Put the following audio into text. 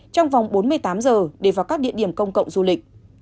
trong vòng bốn mươi tám giờ để vào các địa điểm công cộng du lịch